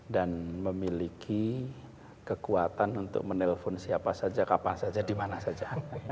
dan memiliki kekuatan untuk menelpon siapa saja kapan saja dimana saja